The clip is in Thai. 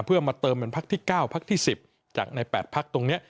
เพื่อมาเติมเป็นภักดิ์ที่๙ภักดิ์ที่๑๐จากใน๘ภักดิ์ตรงนี้